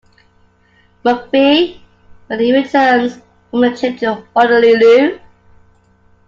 McVeigh when he returns from a trip to Honolulu.